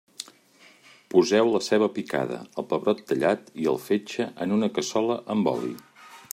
Poseu la ceba picada, el pebrot tallat i el fetge en una cassola amb oli.